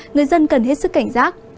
người dân cần hết sức cảnh giác